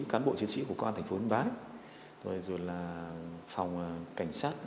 cán bộ chiến sĩ của công an tp hcm rồi là phòng cảnh sát cơ động